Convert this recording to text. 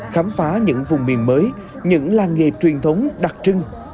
khám phá những vùng miền mới những làng nghề truyền thống đặc trưng